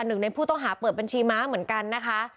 หนึ่งในผู้ต้องหาเปิดบัญชีม้าเหมือนกันนะคะ